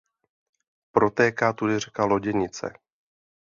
Protéká tudy řeka Loděnice.